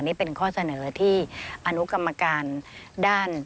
นี่เป็นข้อเสนอที่อนุกรรมการด้าน